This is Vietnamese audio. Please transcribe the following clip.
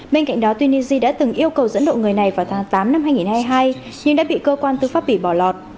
bên cạnh đó tunisia đã từng yêu cầu dẫn độ người này vào tháng tám năm hai nghìn hai mươi hai nhưng đã bị cơ quan tư pháp bỉ bỏ lọt